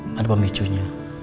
tentu semua ini ada pemicunya